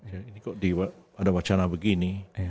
ini kok ada wacana begini